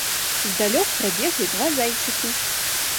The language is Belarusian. Здалёк прабеглі два зайчыкі.